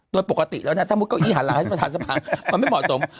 โดยปกติแล้วเนี่ยถ้ามุดเก้าอี้หาลาให้ประธานสภามันไม่เหมาะสม